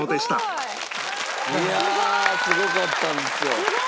いやあすごかったんですよ。